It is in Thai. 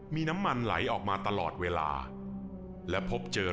มีน้ำมันไหลออกมาตลอดเวลา